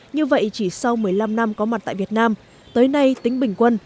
như vậy chỉ sau một mươi năm năm có mặt tại việt nam tới nay tính bình quân